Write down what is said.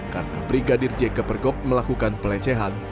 karena brigadir j kepergok melakukan pelecehan